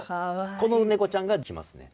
この猫ちゃんが来ますね。